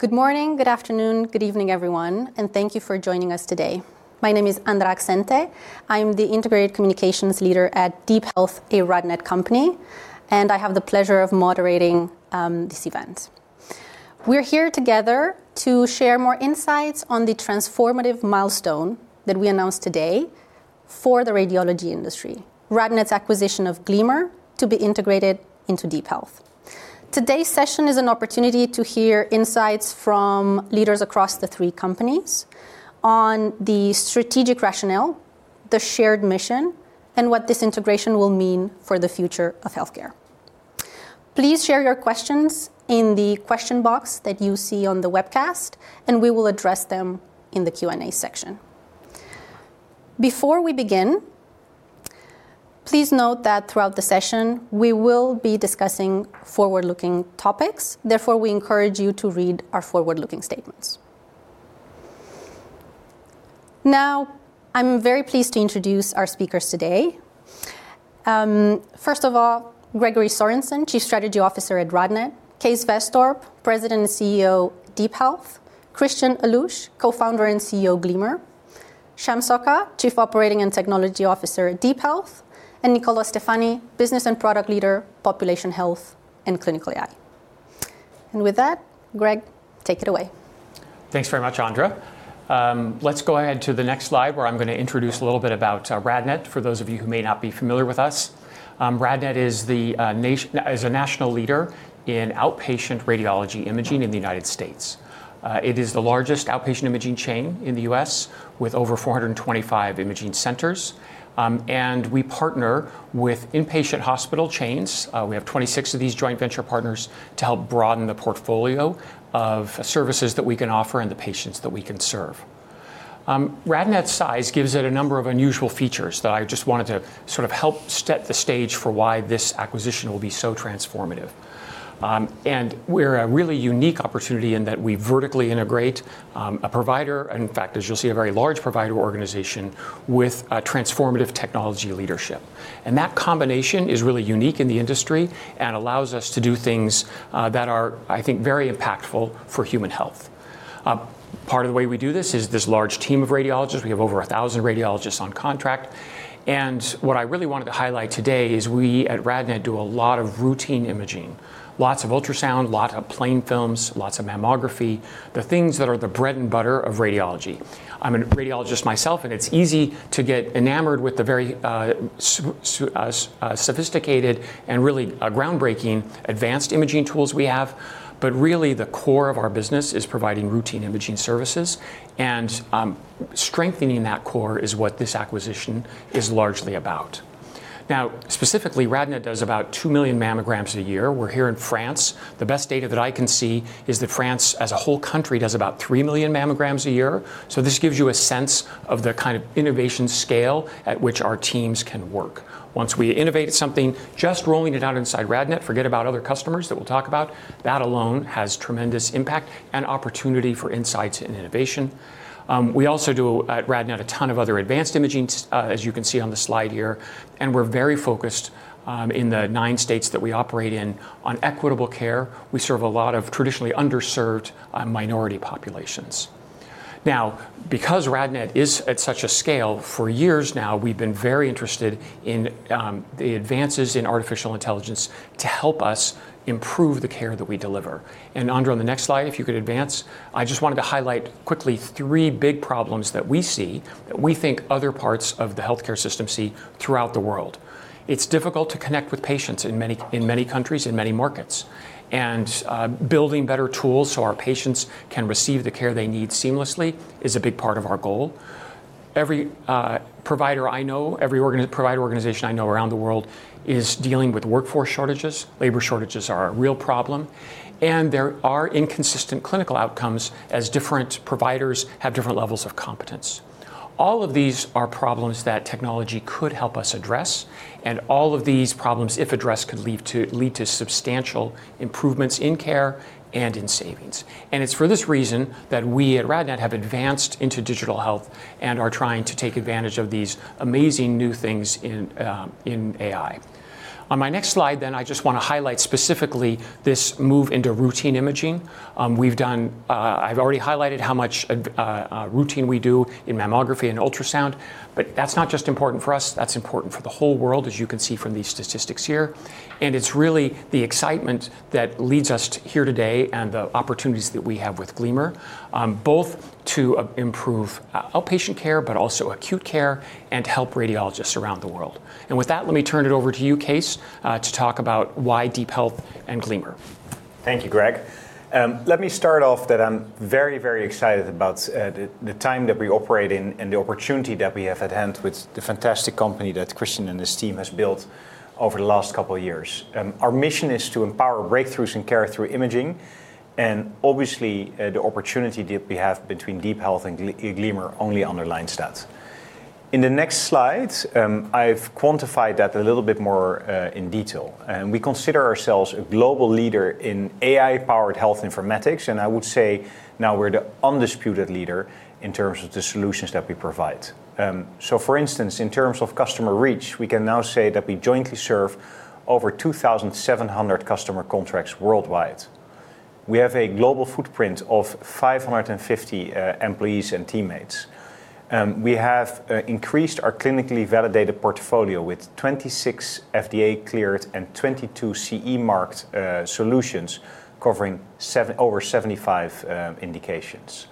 Good morning, good afternoon, good evening, everyone. Thank you for joining us today. My name is Andra Axente. I'm the Integrated Communications Leader at DeepHealth, a RadNet company, and I have the pleasure of moderating this event. We're here together to share more insights on the transformative milestone that we announced today for the radiology industry, RadNet's acquisition of Gleamer to be integrated into DeepHealth. Today's session is an opportunity to hear insights from leaders across the three companies on the strategic rationale, the shared mission, and what this integration will mean for the future of healthcare. Please share your questions in the question box that you see on the webcast, and we will address them in the Q&A section. Before we begin, please note that throughout the session, we will be discussing forward-looking topics. Therefore, we encourage you to read our forward-looking statements. I'm very pleased to introduce our speakers today. First of all, Greg Sorensen, Chief Strategy Officer at RadNet, Kees Wesdorp, President and CEO, DeepHealth, Christian Allouche, Co-founder and CEO, Gleamer, Sham Sokka, Chief Operating and Technology Officer at DeepHealth, and Niccolo Stefani, Business and Product Leader, Population Health and Clinical AI. With that, Greg, take it away. Thanks very much, Andra. Let's go ahead to the next slide, where I'm gonna introduce a little bit about RadNet, for those of you who may not be familiar with us. RadNet is a national leader in outpatient radiology imaging in the United States. It is the largest outpatient imaging chain in the U.S., with over 425 imaging centers. We partner with inpatient hospital chains. We have 26 of these joint venture partners to help broaden the portfolio of services that we can offer and the patients that we can serve. RadNet's size gives it a number of unusual features that I just wanted to sort of help set the stage for why this acquisition will be so transformative. We're a really unique opportunity in that we vertically integrate, a provider, and in fact, as you'll see, a very large provider organization, with a transformative technology leadership. That combination is really unique in the industry and allows us to do things that are, I think, very impactful for human health. Part of the way we do this is this large team of radiologists. We have over 1,000 radiologists on contract. What I really wanted to highlight today is we at RadNet do a lot of routine imaging, lots of ultrasound, lot of plain films, lots of mammography, the things that are the bread and butter of radiology. I'm a radiologist myself, and it's easy to get enamored with the very sophisticated and really groundbreaking advanced imaging tools we have. Really, the core of our business is providing routine imaging services. Strengthening that core is what this acquisition is largely about. Specifically, RadNet does about 2 million mammograms a year. We're here in France. The best data that I can see is that France, as a whole country, does about 3 million mammograms a year. This gives you a sense of the kind of innovation scale at which our teams can work. Once we innovate something, just rolling it out inside RadNet, forget about other customers that we'll talk about, that alone has tremendous impact and opportunity for insights and innovation. We also do, at RadNet, a ton of other advanced imaging, as you can see on the slide here. We're very focused, in the nine states that we operate in on equitable care. We serve a lot of traditionally underserved minority populations. Now, because RadNet is at such a scale, for years now, we've been very interested in the advances in artificial intelligence to help us improve the care that we deliver. Andra, on the next slide, if you could advance, I just wanted to highlight quickly three big problems that we see that we think other parts of the healthcare system see throughout the world. It's difficult to connect with patients in many countries, in many markets. Building better tools so our patients can receive the care they need seamlessly is a big part of our goal. Every provider I know, every provider organization I know around the world is dealing with workforce shortages. Labor shortages are a real problem. There are inconsistent clinical outcomes as different providers have different levels of competence. All of these are problems that technology could help us address, and all of these problems, if addressed, could lead to substantial improvements in care and in savings. It's for this reason that we at RadNet have advanced into digital health and are trying to take advantage of these amazing new things in AI. On my next slide, then I just wanna highlight specifically this move into routine imaging. I've already highlighted how much routine we do in mammography and ultrasound, but that's not just important for us, that's important for the whole world, as you can see from these statistics here. It's really the excitement that leads us here today and the opportunities that we have with Gleamer, both to improve outpatient care, but also acute care and help radiologists around the world. With that, let me turn it over to you, Kees, to talk about why DeepHealth and Gleamer. Thank you, Greg. Let me start off that I'm very, very excited about the time that we operate in and the opportunity that we have at hand with the fantastic company that Christian and his team has built over the last couple of years. Our mission is to empower breakthroughs in care through imaging, and obviously, the opportunity that we have between DeepHealth and Gleamer only underlines that. In the next slides, I've quantified that a little bit more in detail. We consider ourselves a global leader in AI-powered health informatics, and I would say now we're the undisputed leader in terms of the solutions that we provide. For instance, in terms of customer reach, we can now say that we jointly serve over 2,700 customer contracts worldwide. We have a global footprint of 550 employees and teammates. We have increased our clinically validated portfolio with 26 FDA cleared and 22 CE marked solutions covering over 75 indications.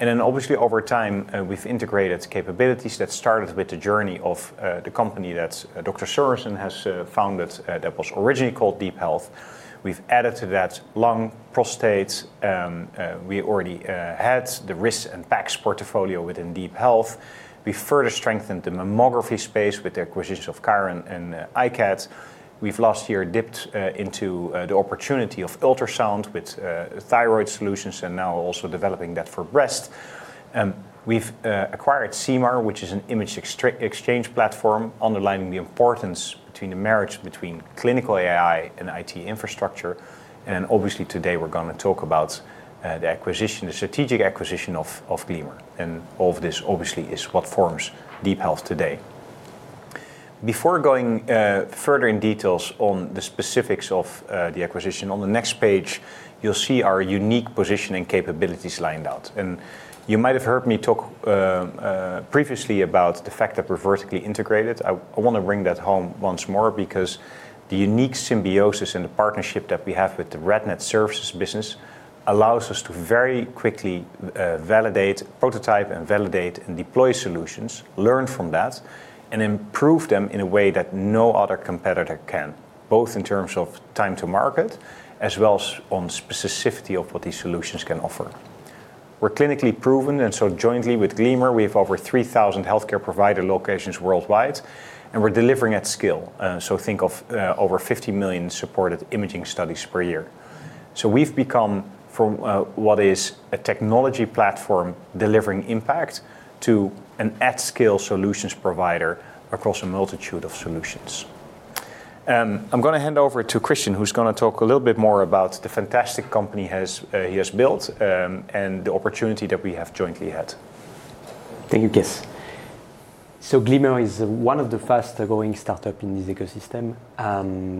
Obviously over time, we've integrated capabilities that started with the journey of the company that Dr. Sorensen has founded, that was originally called DeepHealth. We've added to that lung, prostate, we already had the risk and PACS portfolio within DeepHealth. We further strengthened the mammography space with the acquisition of Qure.ai and iCAD. We've last year dipped into the opportunity of ultrasound with thyroid solutions and now also developing that for breast. We've acquired CIMAR, which is an image exchange platform, underlining the importance between the marriage between clinical AI and IT infrastructure. Obviously today we're gonna talk about the acquisition, the strategic acquisition of Gleamer. All of this obviously is what forms DeepHealth today. Before going further in details on the specifics of the acquisition, on the next page, you'll see our unique position and capabilities lined out. You might have heard me talk previously about the fact that we're vertically integrated. I wanna bring that home once more because the unique symbiosis and the partnership that we have with the RadNet services business allows us to very quickly, validate, prototype and validate and deploy solutions, learn from that, and improve them in a way that no other competitor can, both in terms of time to market as well on specificity of what these solutions can offer. We're clinically proven. Jointly with Gleamer, we have over 3,000 healthcare provider locations worldwide, and we're delivering at scale. Think of over 50 million supported imaging studies per year. We've become from what is a technology platform delivering impact to an at-scale solutions provider across a multitude of solutions. I'm gonna hand over to Christian, who's gonna talk a little bit more about the fantastic company he has built, and the opportunity that we have jointly had. Thank you, Kees. Gleamer is one of the fastest growing startup in this ecosystem.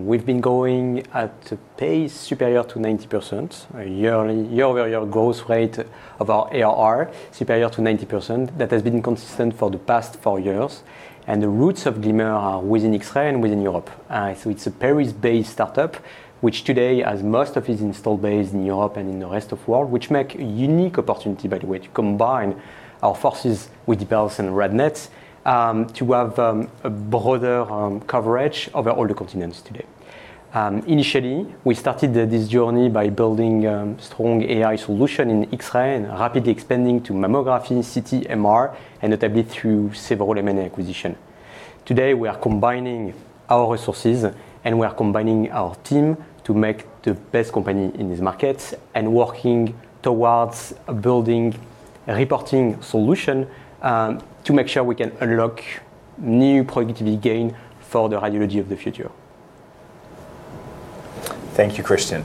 We've been growing at a pace superior to 90%, a year-over-year growth rate of our ARR superior to 90%. That has been consistent for the past four years. The roots of Gleamer are within X-ray and within Europe. It's a Paris-based startup, which today has most of its installed base in Europe and in the rest of world, which make a unique opportunity, by the way, to combine our forces with DeepHealth and RadNet, to have a broader coverage over all the continents today. Initially, we started this journey by building strong AI solution in X-ray and rapidly expanding to mammography, CT, MR, and notably through several M&A acquisition. Today, we are combining our resources, and we are combining our team to make the best company in this market, and working towards building a reporting solution to make sure we can unlock new productivity gain for the radiology of the future. Thank you, Christian.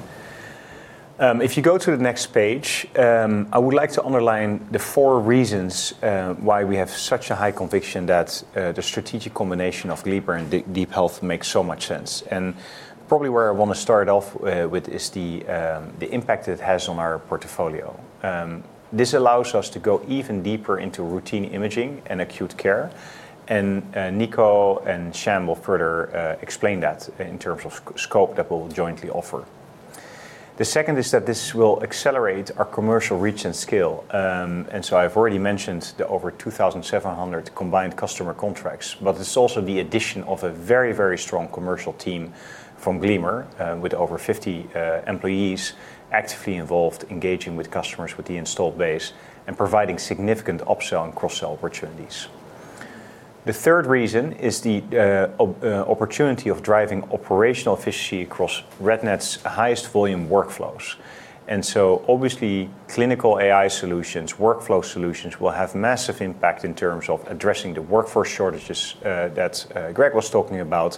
If you go to the next page, I would like to underline the four reasons why we have such a high conviction that the strategic combination of Gleamer and DeepHealth makes so much sense. Probably where I wanna start off with is the impact it has on our portfolio. This allows us to go even deeper into routine imaging and acute care. Nico and Sham will further explain that in terms of scope that we'll jointly offer. The second is that this will accelerate our commercial reach and scale. I've already mentioned the over 2,700 combined customer contracts. It's also the addition of a very, very strong commercial team from Gleamer, with over 50 employees actively involved engaging with customers with the installed base and providing significant upsell and cross-sell opportunities. The third reason is the opportunity of driving operational efficiency across RadNet's highest volume workflows. Obviously, clinical AI solutions, workflow solutions will have massive impact in terms of addressing the workforce shortages that Greg was talking about,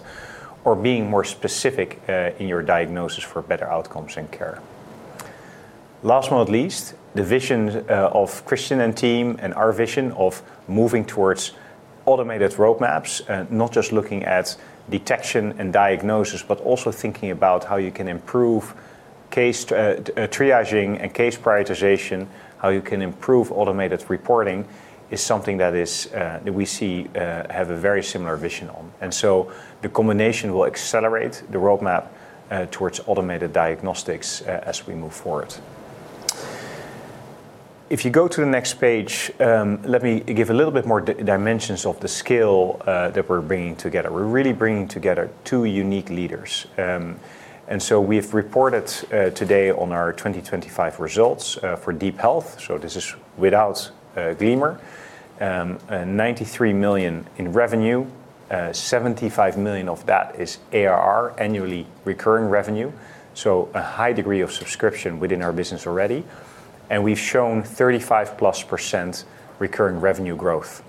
or being more specific in your diagnosis for better outcomes and care. Last but not least, the vision of Christian and team and our vision of moving towards automated roadmaps, not just looking at detection and diagnosis, but also thinking about how you can improve case triaging and case prioritization, how you can improve automated reporting is something that is, that we see, have a very similar vision on. The combination will accelerate the roadmap towards automated diagnostics as we move forward. If you go to the next page, let me give a little bit more dimensions of the scale that we're bringing together. We're really bringing together two unique leaders. We've reported today on our 2025 results for DeepHealth, so this is without Gleamer. $93 million in revenue, $75 million of that is ARR, annually recurring revenue, a high degree of subscription within our business already. We've shown 35+% recurring revenue growth.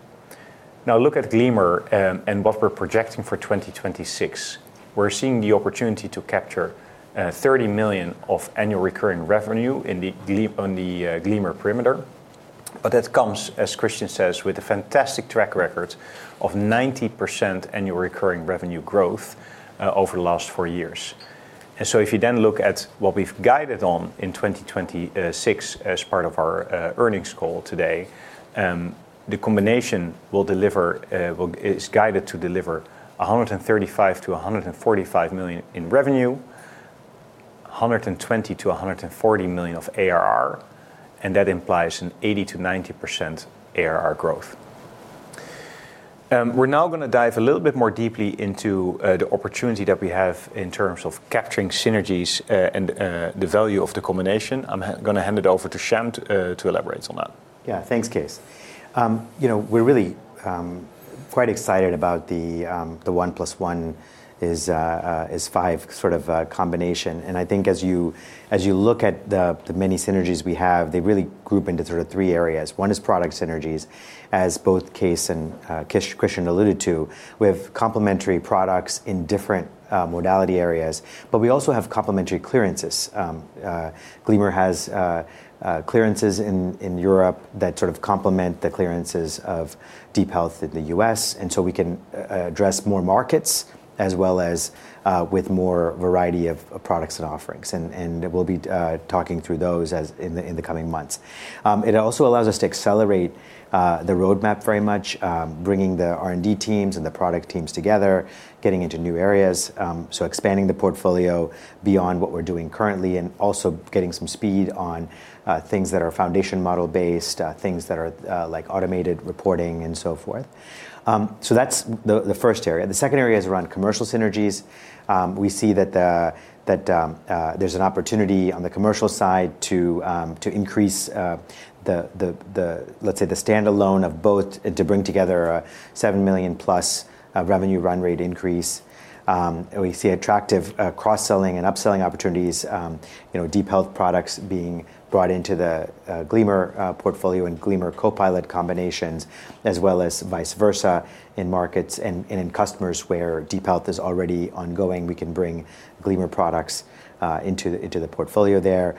Now look at Gleamer and what we're projecting for 2026. We're seeing the opportunity to capture $30 million of annual recurring revenue on the Gleamer perimeter. That comes, as Christian says, with a fantastic track record of 90% annual recurring revenue growth over the last 4 years. If you then look at what we've guided on in 2026 as part of our earnings call today, the combination is guided to deliver $135 million-$145 million in revenue, $120 million-$140 million of ARR, and that implies an 80%-90% ARR growth. We're now gonna dive a little bit more deeply into the opportunity that we have in terms of capturing synergies and the value of the combination. I'm gonna hand it over to Sham to elaborate on that. Yeah. Thanks, Kees. You know, we're really quite excited about the one plus one is five sort of combination. I think as you look at the many synergies we have, they really group into sort of three areas. One is product synergies, as both Kees and Christian alluded to, with complementary products in different modality areas. We also have complementary clearances. Gleamer has clearances in Europe that sort of complement the clearances of DeepHealth in the U.S., so we can address more markets as well as with more variety of products and offerings. We'll be talking through those in the coming months. It also allows us to accelerate the roadmap very much, bringing the R&D teams and the product teams together, getting into new areas, so expanding the portfolio beyond what we're doing currently and also getting some speed on things that are foundation model-based, things that are like automated reporting and so forth. That's the first area. The second area is around commercial synergies. We see that there's an opportunity on the commercial side to increase the let's say, the standalone of both and to bring together a $7 million-plus revenue run rate increase. We see attractive cross-selling and upselling opportunities, you know, DeepHealth products being brought into the Gleamer portfolio and Gleamer Copilot combinations, as well as vice versa in markets and in customers where DeepHealth is already ongoing. We can bring Gleamer products into the portfolio there.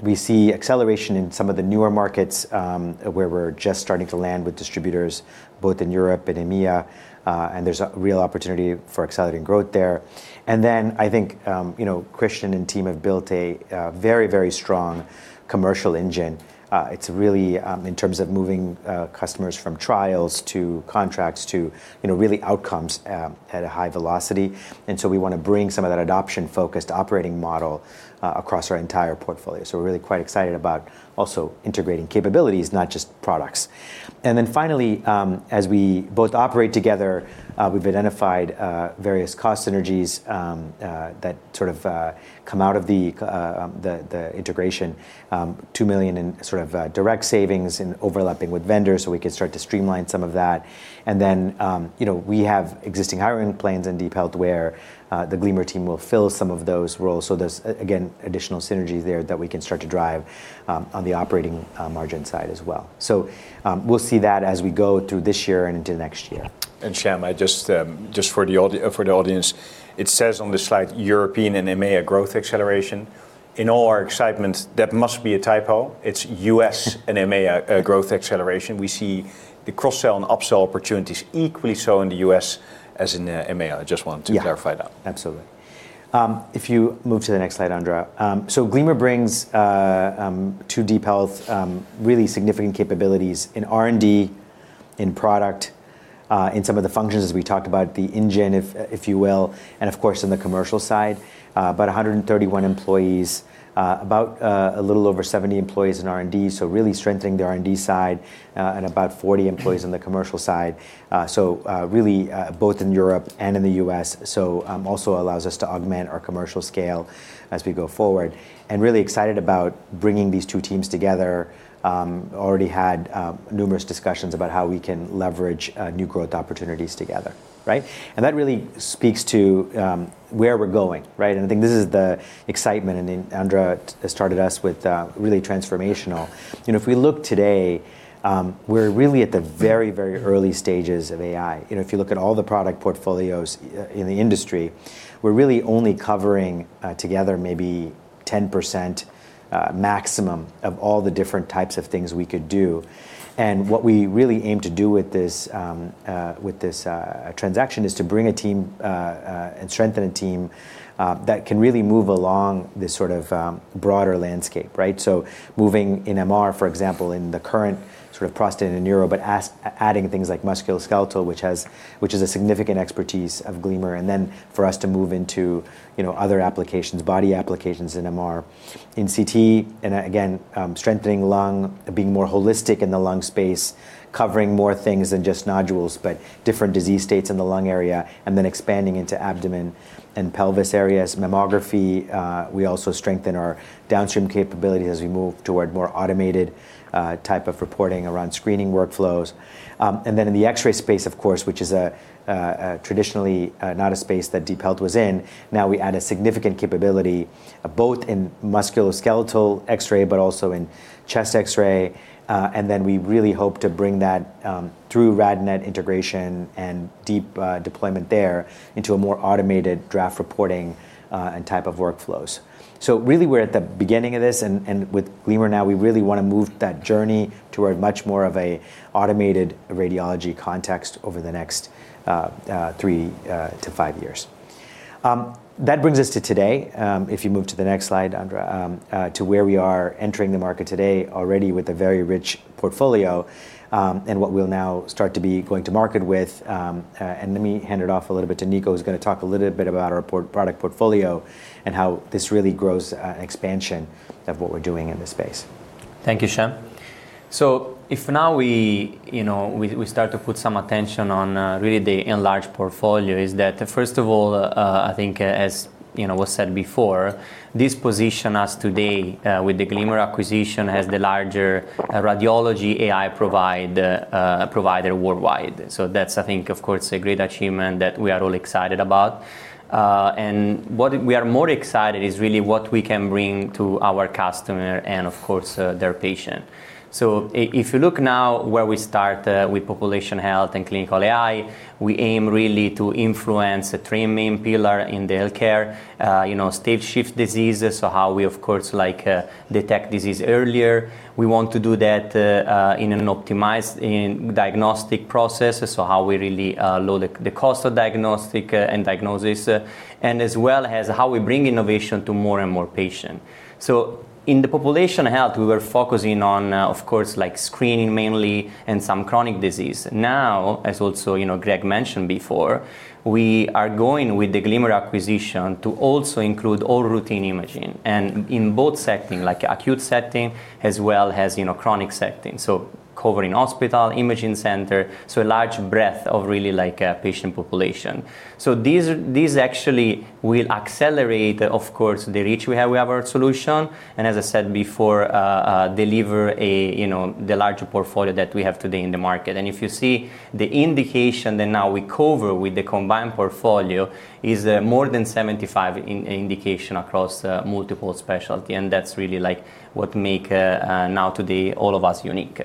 We see acceleration in some of the newer markets, where we're just starting to land with distributors, both in Europe and EMEA, and there's a real opportunity for accelerating growth there. Then I think, you know, Christian and team have built a very strong commercial engine. It's really in terms of moving customers from trials to contracts to, you know, really outcomes at a high velocity. So we wanna bring some of that adoption-focused operating model across our entire portfolio. We're really quite excited about also integrating capabilities, not just products. Finally, as we both operate together, we've identified various cost synergies that sort of come out of the integration, $2 million in sort of direct savings and overlapping with vendors, so we can start to streamline some of that. You know, we have existing hiring plans in DeepHealth where the Gleamer team will fill some of those roles. There's again additional synergies there that we can start to drive on the operating margin side as well. We'll see that as we go through this year and into next year. Sham, I just, for the audience, it says on the slide European and EMEA growth acceleration. In all our excitement, that must be a typo. It's U.S. and EMEA growth acceleration. We see the cross-sell and upsell opportunities equally so in the U.S. as in EMEA. I just wanted to clarify that. Yeah. Absolutely. If you move to the next slide, Andra. Gleamer brings to DeepHealth really significant capabilities in R&D, in product, in some of the functions as we talked about, the engine, if you will, and of course, in the commercial side, about 131 employees, about a little over 70 employees in R&D, so really strengthening the R&D side, and about 40 employees on the commercial side, really both in Europe and in the U.S. Also allows us to augment our commercial scale as we go forward, and really excited about bringing these two teams together. Already had numerous discussions about how we can leverage new growth opportunities together, right? That really speaks to where we're going, right? I think this is the excitement, Andra started us with, really transformational. You know, if we look today, we're really at the very, very early stages of AI. You know, if you look at all the product portfolios in the industry, we're really only covering, together maybe 10%, maximum of all the different types of things we could do. What we really aim to do with this, with this transaction is to bring a team and strengthen a team that can really move along this sort of broader landscape, right? Moving in MR, for example, in the current sort of prostate and neuro, but adding things like musculoskeletal, which is a significant expertise of Gleamer, then for us to move into, you know, other applications, body applications in MR. In CT, again, strengthening lung, being more holistic in the lung space, covering more things than just nodules, but different disease states in the lung area, expanding into abdomen and pelvis areas. Mammography, we also strengthen our downstream capability as we move toward more automated type of reporting around screening workflows. In the X-ray space, of course, which is a traditionally not a space that DeepHealth was in, now we add a significant capability both in musculoskeletal X-ray, but also in chest X-ray, we really hope to bring that through RadNet integration and deep deployment there into a more automated draft reporting and type of workflows. Really we're at the beginning of this and with Gleamer now, we really wanna move that journey toward much more of a automated radiology context over the next three to five years. That brings us to today, if you move to the next slide, Andra, to where we are entering the market today already with a very rich portfolio, and what we'll now start to be going to market with. Let me hand it off a little bit to Nico, who's gonna talk a little bit about our product portfolio and how this really grows expansion of what we're doing in this space. Thank you, Sham. If now we, you know, we start to put some attention on really the enlarged portfolio is that, first of all, I think as, you know, was said before, this position us today with the Gleamer acquisition as the larger radiology AI provider worldwide. That's, I think, of course, a great achievement that we are all excited about. And what we are more excited is really what we can bring to our customer and of course, their patient. If you look now where we start with Population Health & Clinical AI, we aim really to influence the three main pillar in the healthcare, you know, stage shift diseases, so how we of course like detect disease earlier. We want to do that in an optimized in diagnostic process. How we really lower the cost of diagnostic and diagnosis, and as well as how we bring innovation to more and more patient. In the population health, we were focusing on of course, like screening mainly and some chronic disease. Now, as also, you know, Greg mentioned before, we are going with the Gleamer acquisition to also include all routine imaging and in both setting, like acute setting as well as, you know, chronic setting. Covering hospital, imaging center, a large breadth of really like patient population. These actually will accelerate of course, the reach we have our solution, and as I said before, deliver a, you know, the larger portfolio that we have today in the market. If you see the indication that now we cover with the combined portfolio is more than 75 in-indication across multiple specialty. That's really like what make now today all of us unique.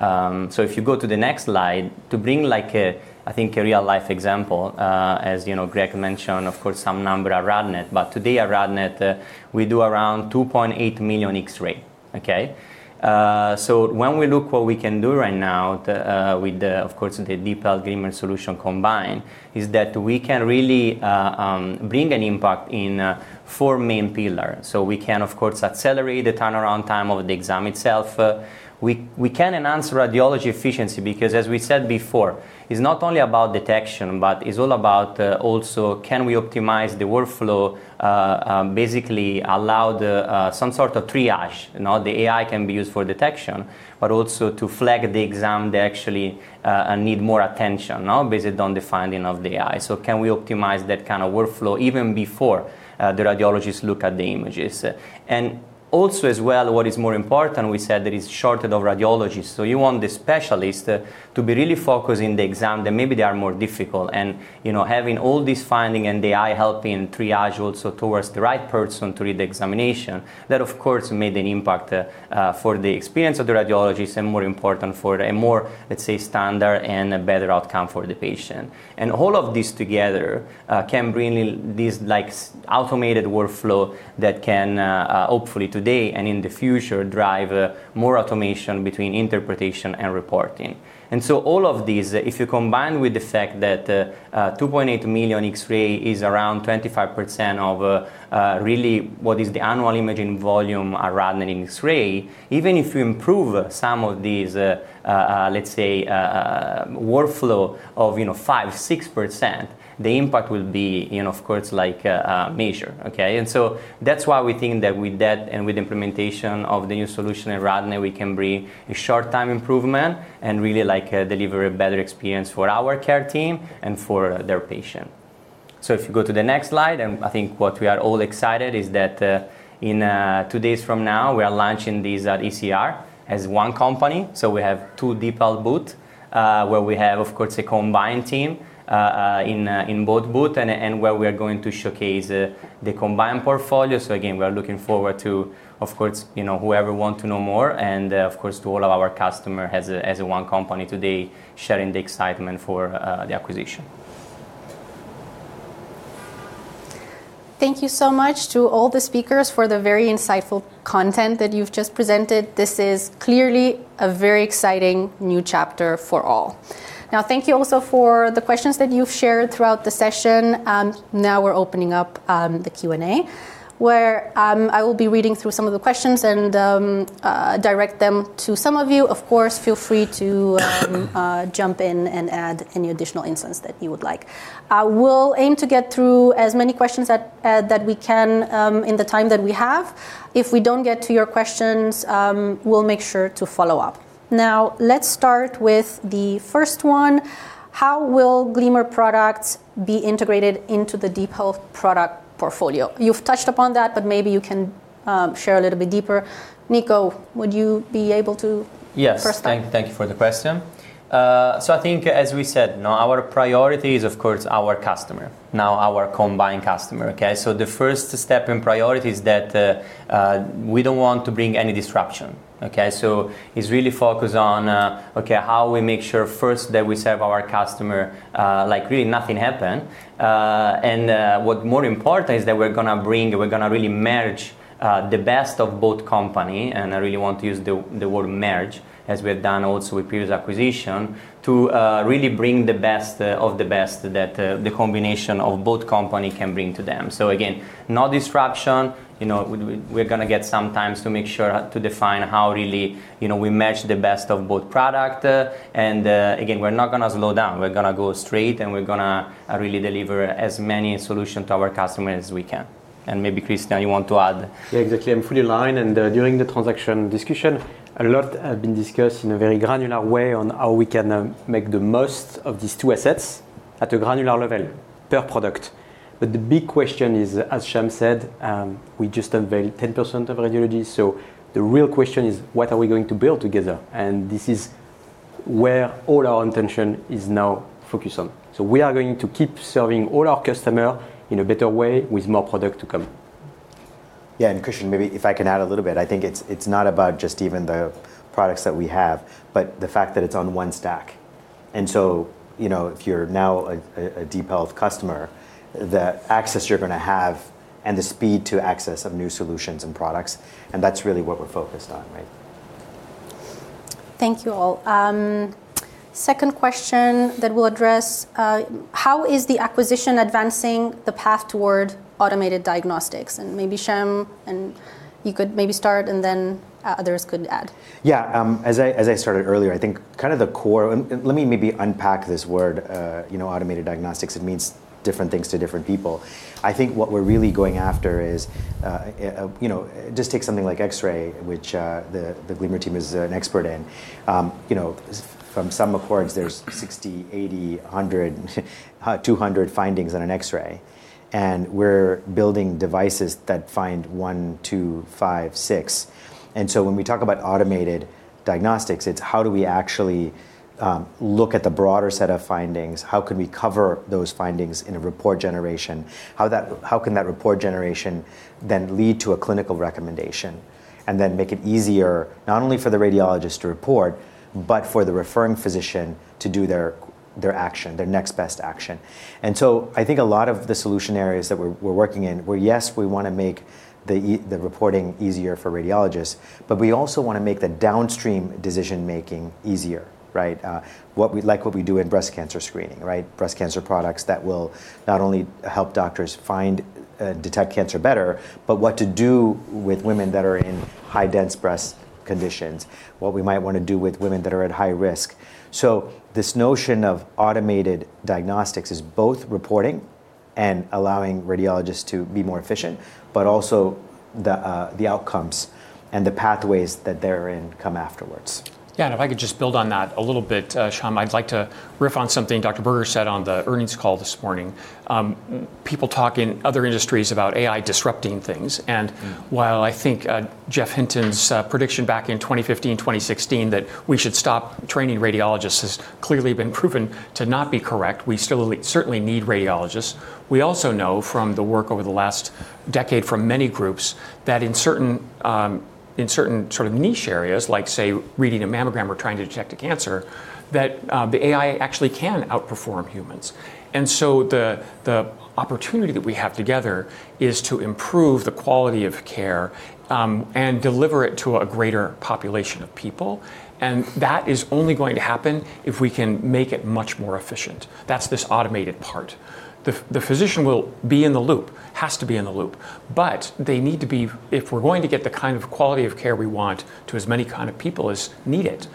So if you go to the next slide to bring like a, I think, a real life example, as you know, Greg mentioned of course some number at RadNet, but today at RadNet, we do around 2.8 million X-ray. Okay? So when we look what we can do right now to with the, of course, the DeepHealth Gleamer solution combined, is that we can really bring an impact in four main pillar. So we can of course accelerate the turnaround time of the exam itself. We can enhance radiology efficiency because as we said before, it's not only about detection, but it's all about also can we optimize the workflow, basically allow the some sort of triage. The AI can be used for detection, but also to flag the exam that actually need more attention now based on the finding of the AI. Can we optimize that kind of workflow even before the radiologists look at the images? Also as well, what is more important, we said that it's shortage of radiologists. You want the specialist to be really focused in the exam that maybe they are more difficult and, you know, having all this finding and the AI helping triage also towards the right person to read the examination, that of course made an impact for the experience of the radiologist and more important for a more, let's say, standard and a better outcome for the patient. All of this together can bring this like automated workflow that can hopefully today and in the future, drive more automation between interpretation and reporting. All of these, if you combine with the fact that 2.8 million X-ray is around 25% of really what is the annual imaging volume around an X-ray, even if you improve some of these, let's say, workflow of, you know, 5%, 6%, the impact will be, you know, of course like major. That's why we think that with that and with implementation of the new solution at RadNet, we can bring a short time improvement and really like deliver a better experience for our care team and for their patient. If you go to the next slide, and I think what we are all excited is that in two days from now, we are launching this at ECR as one company. We have two DeepHealth booth, where we have of course, a combined team, in both booth and where we are going to showcase the combined portfolio. Again, we are looking forward to of course, you know, whoever want to know more and of course to all of our customer as a one company today sharing the excitement for the acquisition. Thank you so much to all the speakers for the very insightful content that you've just presented. This is clearly a very exciting new chapter for all. Thank you also for the questions that you've shared throughout the session. We're opening up the Q&A where I will be reading through some of the questions and direct them to some of you. Of course, feel free to jump in and add any additional insights that you would like. We'll aim to get through as many questions that we can in the time that we have. If we don't get to your questions, we'll make sure to follow up. Let's start with the first one. How will Gleamer products be integrated into the DeepHealth product portfolio? You've touched upon that, but maybe you can, share a little bit deeper. Nico, would you. Yes. first start? Thank you for the question. I think as we said, now our priority is of course our customer, now our combined customer. Okay? The first step in priority is that we don't want to bring any disruption. Okay? It's really focused on, okay, how we make sure first that we serve our customer, like really nothing happened. What more important is that we're gonna really merge, the best of both company, and I really want to use the word merge, as we have done also with previous acquisition, to really bring the best of the best that the combination of both company can bring to them. Again, no disruption. You know, we're gonna get some times to make sure to define how really, you know, we match the best of both product. Again, we're not gonna slow down. We're gonna go straight, and we're gonna really deliver as many solution to our customer as we can. Maybe, Christian, you want to add? Yeah, exactly. I'm fully aligned. During the transaction discussion, a lot has been discussed in a very granular way on how we can make the most of these two assets. At a granular level, per product. The big question is, as Sham said, we just unveiled 10% of radiology, the real question is what are we going to build together? This is where all our intention is now focused on. We are going to keep serving all our customer in a better way with more product to come. Yeah, Christian Allouche, maybe if I can add a little bit. I think it's not about just even the products that we have, but the fact that it's on one stack. You know, if you're now a DeepHealth customer, the access you're gonna have and the speed to access of new solutions and products, and that's really what we're focused on, right? Thank you, all. Second question that we'll address: How is the acquisition advancing the path toward automated diagnostics? Maybe Sham, and you could maybe start, and then, others could add. Yeah. As I started earlier, I think kind of the core... Let me maybe unpack this word. You know, automated diagnostics, it means different things to different people. I think what we're really going after is, you know, just take something like X-ray, which the Gleamer team is an expert in. You know, from some accords there's 60, 80, 100, 200 findings on an X-ray, and we're building devices that find one, two, five, six. When we talk about automated diagnostics, it's how do we actually look at the broader set of findings? How can we cover those findings in a report generation? How can that report generation then lead to a clinical recommendation? Make it easier, not only for the radiologist to report, but for the referring physician to do their action, their next best action. I think a lot of the solution areas that we're working in, where, yes, we wanna make the reporting easier for radiologists, but we also wanna make the downstream decision-making easier, right? Like what we do in breast cancer screening, right? Breast cancer products that will not only help doctors find, detect cancer better, but what to do with women that are in high dense breast conditions, what we might wanna do with women that are at high risk. So this notion of automated diagnostics is both reporting and allowing radiologists to be more efficient, but also the outcomes and the pathways that they're in come afterwards. Yeah. If I could just build on that a little bit, Sham. I'd like to riff on something Howard Berger said on the earnings call this morning. People talk in other industries about AI disrupting things. Mm-hmm. While I think Geoffrey Hinton's prediction back in 2015, 2016 that we should stop training radiologists has clearly been proven to not be correct, we certainly need radiologists. We also know from the work over the last decade from many groups that in certain, in certain sort of niche areas, like, say, reading a mammogram or trying to detect a cancer, that the AI actually can outperform humans. The opportunity that we have together is to improve the quality of care, and deliver it to a greater population of people, and that is only going to happen if we can make it much more efficient. That's this automated part. The physician will be in the loop. Has to be in the loop, but they need to be... If we're going to get the kind of quality of care we want to as many kind of people as need it,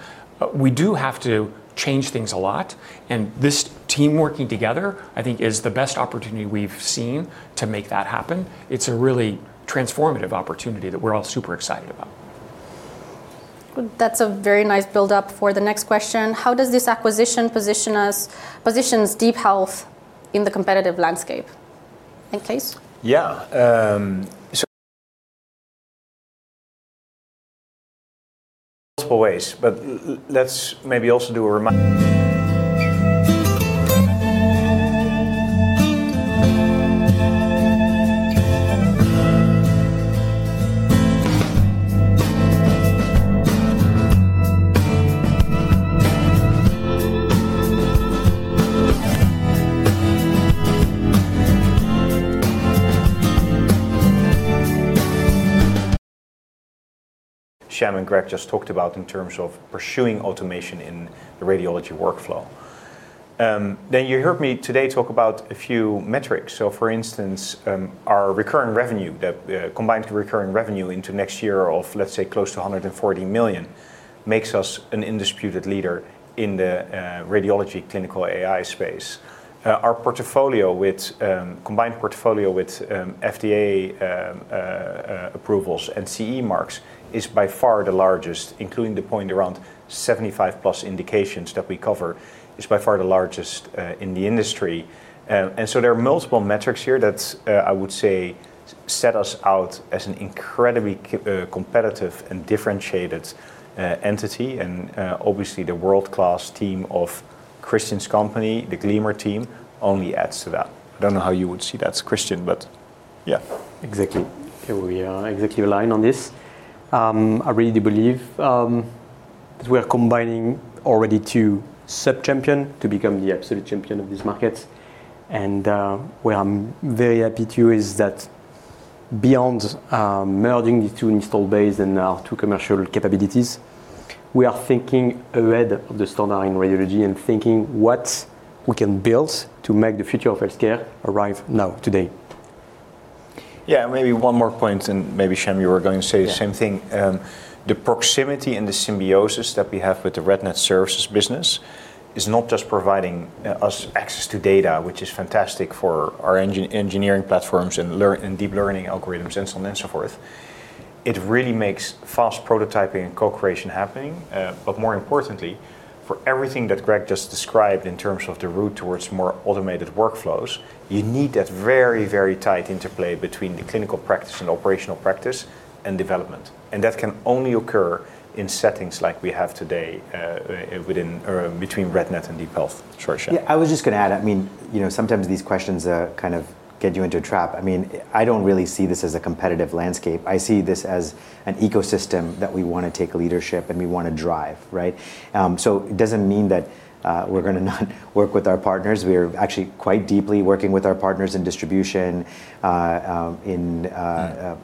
we do have to change things a lot, and this team working together, I think, is the best opportunity we've seen to make that happen. It's a really transformative opportunity that we're all super excited about. Good. That's a very nice build-up for the next question. How does this acquisition position us, positions DeepHealth in the competitive landscape? Please. Yeah. Multiple ways, but Sham and Greg just talked about in terms of pursuing automation in the radiology workflow. You heard me today talk about a few metrics. For instance, our recurring revenue that combined recurring revenue into next year of, let's say, close to $140 million makes us an undisputed leader in the radiology clinical AI space. Our portfolio with combined portfolio with FDA approvals and CE marks is by far the largest, including the point around 75+ indications that we cover, is by far the largest in the industry. There are multiple metrics here that I would say set us out as an incredibly competitive and differentiated entity. Obviously the world-class team of Christian's company, the Gleamer team, only adds to that. I don't know how you would see that, Christian, but yeah. Exactly. Yeah, we are exactly aligned on this. I really do believe that we are combining already two sub-champion to become the absolute champion of this market. Where I am very happy too is that beyond merging these two install base and two commercial capabilities, we are thinking ahead of the standard in radiology and thinking what we can build to make the future of healthcare arrive now, today. Yeah. Maybe one more point, and maybe, Sham, you were going to say the same thing. Yeah. The proximity and the symbiosis that we have with the RadNet services business is not just providing us access to data, which is fantastic for our engineering platforms and learn, and deep learning algorithms and so on and so forth. It really makes fast prototyping and co-creation happening. More importantly, for everything that Greg just described in terms of the route towards more automated workflows, you need that very, very tight interplay between the clinical practice and operational practice and development, and that can only occur in settings like we have today within, or between RadNet and DeepHealth. Sure, Sham. Yeah. I was just gonna add, I mean, you know, sometimes these questions kind of get you into a trap. I mean, I don't really see this as a competitive landscape. I see this as an ecosystem that we wanna take leadership and we wanna drive, right? It doesn't mean that we're gonna not work with our partners. We are actually quite deeply working with our partners in distribution. Mm-hmm.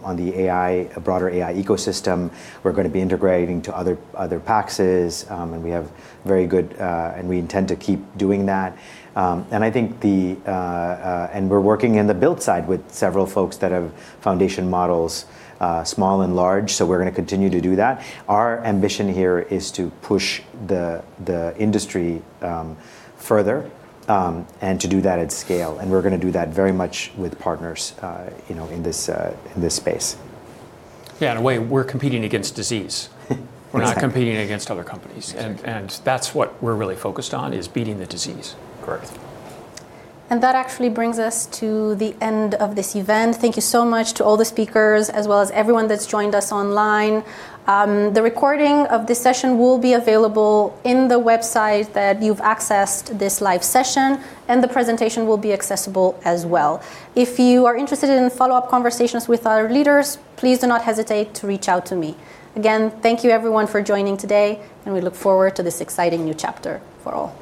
On the AI, broader AI ecosystem. We're gonna be integrating to other PACSes. We have very good. We intend to keep doing that. I think the. We're working in the build side with several folks that have foundation models, small and large. We're gonna continue to do that. Our ambition here is to push the industry, further, and to do that at scale, and we're gonna do that very much with partners, you know, in this, in this space. Yeah. In a way, we're competing against disease. Exactly. We're not competing against other companies. Exactly. That's what we're really focused on, is beating the disease. Correct. That actually brings us to the end of this event. Thank you so much to all the speakers, as well as everyone that's joined us online. The recording of this session will be available in the website that you've accessed this live session, and the presentation will be accessible as well. If you are interested in follow-up conversations with our leaders, please do not hesitate to reach out to me. Again, thank you everyone for joining today. We look forward to this exciting new chapter for all.